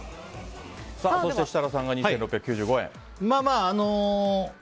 そして設楽さんが２６９５円。